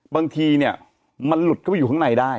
บางทีเนี่ยมันหลุดเข้าไปอยู่ข้างในได้